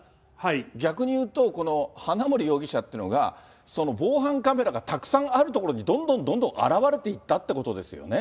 逆に言うと、この花森容疑者っていうのが、防犯カメラがたくさんある所に、どんどんどんどん現れていったということですよね。